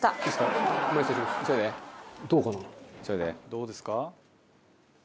どうですか？